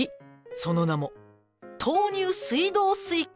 その名も豆乳水道水コーヒー。